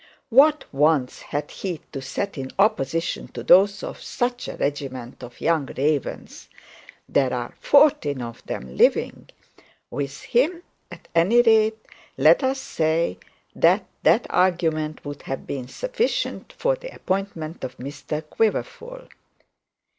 What wants had he to set in opposition to those of such a regiment of young ravens? There are fourteen of them living! With him at any rate, let us say, that the argument would have been sufficient for the appointment of Mr Quiverful.